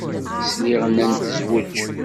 Sliɣ nnan tezweǧ.